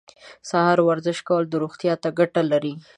سهار ورزش کول روغتیا ته ګټه لري.